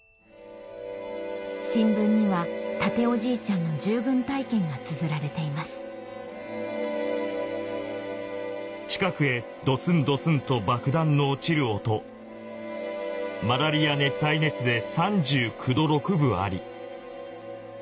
新聞には健夫じいちゃんの従軍体験がつづられています「近くへドスンドスンと爆弾の落ちる音」「マラリア熱帯熱で３９度６分あり」